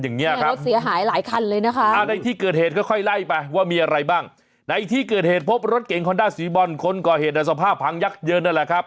ในที่เกิดเหตุพบรถเก๋งคอนด้าสีบอลคนก่อเหตุในสภาพพังยักษ์เยอะนั่นแหละครับ